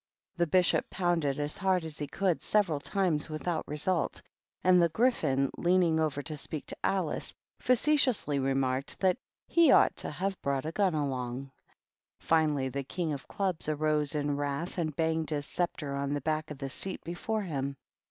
The Bishop pounded as hard as he could several times without result, and the Gryphon, leaning over to speak to Alice, facetiously remarked that "he ought to have brought a gun along." Finally the King of Clubs arose in wrath and banged his sceptre on the back of the seat before him.